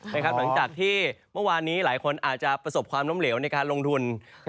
หลังจากที่เมื่อวานนี้หลายคนอาจจะประสบความล้มเหลวในการลงทุน